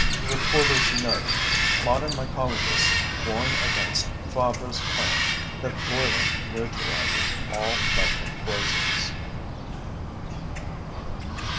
[Recorder's note: Modern mycologists warn against Fabre's claim that boiling neutralizes all mushroom poisons.